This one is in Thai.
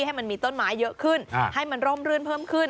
ให้มันมีต้นไม้เยอะขึ้นให้มันร่มรื่นเพิ่มขึ้น